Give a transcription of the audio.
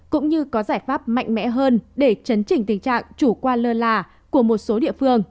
cũng như có giải pháp mạnh mẽ hơn để chấn chỉnh tình trạng chủ quan lơ là của một số địa phương